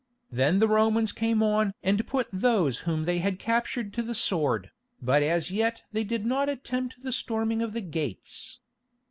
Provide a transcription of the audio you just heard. Then the Romans came on and put those whom they had captured to the sword, but as yet they did not attempt the storming of the gates.